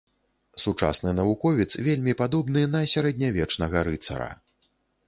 Сучасны навуковец вельмі падобны на сярэднявечнага рыцара.